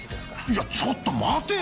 いやちょっと待てよ！